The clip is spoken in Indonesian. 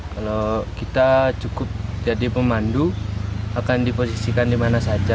kalau kita cukup jadi pemandu akan diposisikan dimana saja